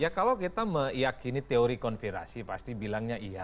ya kalau kita meyakini teori konfirasi pasti bilangnya iya